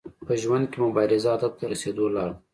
په ژوند کي مبارزه هدف ته د رسیدو لار ده.